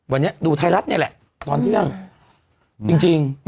วันเนี้ยดูไทยรัฐเนี้ยแหละตอนที่นั่งจริงจริง